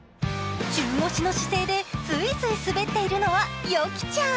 中腰の姿勢ですいすい滑っているのは、ヨキちゃん。